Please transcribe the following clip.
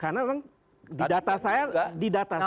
karena memang di data saya di data saya